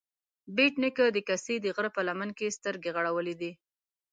بېټ نيکه د کسې د غره په لمن کې سترګې غړولې دي